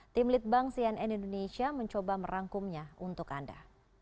tim litbang cnn indonesia mencoba merangkumnya untuk anda